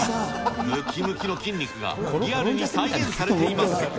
むきむきの筋肉がリアルに再現されています。